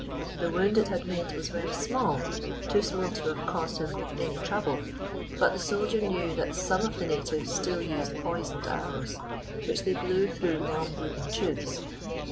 The wound it had made was very small — too small to have caused him any trouble ; but the soldier knew that some of the natives still used poisoned arrows, which they blew through long wooden tubes.